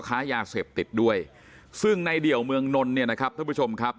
ค้ายาเสพติดด้วยซึ่งในเดี่ยวเมืองนนท์เนี่ยนะครับท่านผู้ชมครับ